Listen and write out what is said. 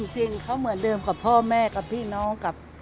จริงเขาเหมือนเดิมกับพ่อแม่กับพี่น้องกับ